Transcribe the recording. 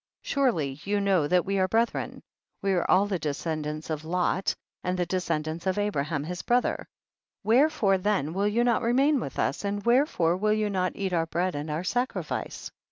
Surely you know that we are brethren, we are all the descendants of Lot and the descendants of Abra ham his brother, wherefore then will you not remain with us, and where fore will you not eat our bread and our sacrifice